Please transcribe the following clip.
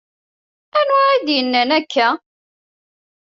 Anwa i d-yennan akka?